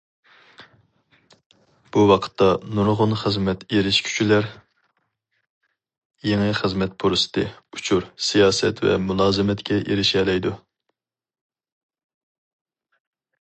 بۇ ۋاقىتتا، نۇرغۇن خىزمەت ئېرىشكۈچىلەر يېڭى خىزمەت پۇرسىتى، ئۇچۇر، سىياسەت ۋە مۇلازىمەتكە ئېرىشەلەيدۇ.